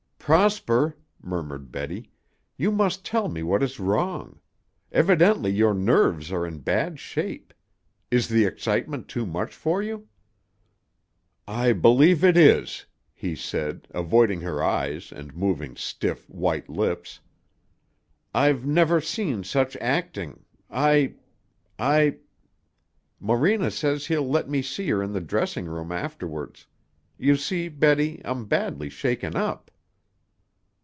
"Prosper," murmured Betty, "you must tell me what is wrong. Evidently your nerves are in bad shape. Is the excitement too much for you?" "I believe it is," he said, avoiding her eyes and moving stiff, white lips; "I've never seen such acting. I I Morena says he'll let me see her in her dressing room afterwards. You see, Betty, I'm badly shaken up."